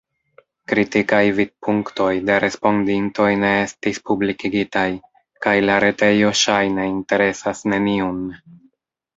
Kritikaj vidpunktoj de respondintoj ne estis publikigitaj, kaj la retejo ŝajne interesas neniun.